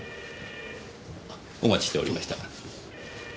お待ちしておりました。